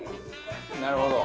なるほど。